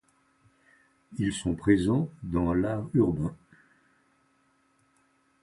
Ils sont présents dans l'art urbain.